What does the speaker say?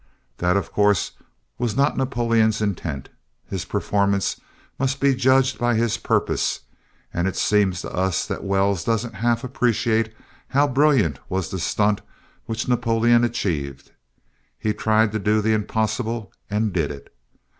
That, of course, was not Napoleon's intent. His performance must be judged by his purpose, and it seems to us that Wells doesn't half appreciate how brilliant was the stunt which Napoleon achieved. "He tried to do the impossible and did it."